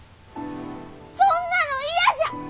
そんなの嫌じゃ！